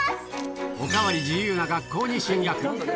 お代わり自由な学校に進学。